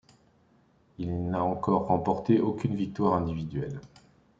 Il n'a encore remporté aucune victoire individuelle.